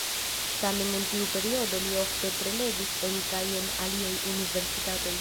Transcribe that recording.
Tamen en tiu periodo li ofte prelegis en kaj en aliaj universitatoj.